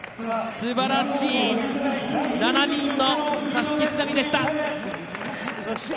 すばらしい７人のたすきつなぎでした。